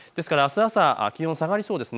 ですからあす朝、気温が下がりそうです。